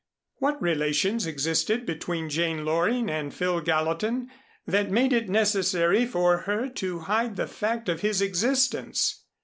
What relations existed between Jane Loring and Phil Gallatin that made it necessary for her to hide the fact of his existence?